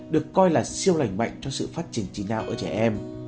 được coi là siêu lạnh mạnh cho sự phát triển trí nào ở trẻ em